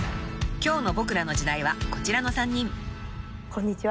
［今日の『ボクらの時代』はこちらの３人］こんにちは。